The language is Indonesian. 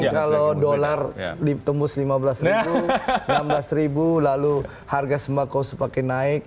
kalau dolar ditembus lima belas ribu enam belas ribu lalu harga sembako semakin naik